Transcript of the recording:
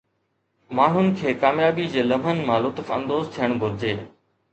ماڻهن کي ڪاميابي جي لمحن مان لطف اندوز ٿيڻ گهرجي